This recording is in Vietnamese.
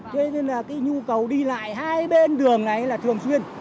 thế nên là cái nhu cầu đi lại hai bên đường này là thường xuyên